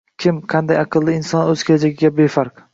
Kim, qanday aqlli inson o’z kelajagiga befarq.